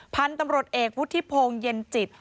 พรรณตำรวจเอกวุธิพงศ์เย็นจิต